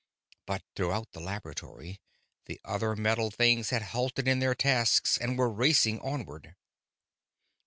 But throughout the laboratory, the other metal things had halted in their tasks and were racing onward.